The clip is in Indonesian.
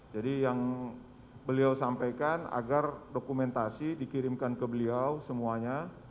jadi yang beliau sampaikan agar dokumentasi dikirimkan ke beliau semuanya